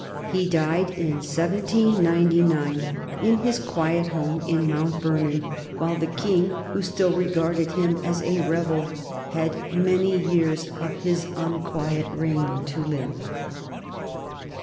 He died in 1799 in his quiet home in Mount Vernon, while the King who still regarded him as a rebel had many years of his unquiet reign to live.